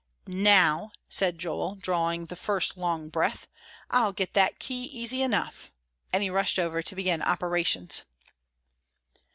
"Now," said Joel, drawing the first long breath, "I'll get that key easy enough," and he rushed over to begin operations.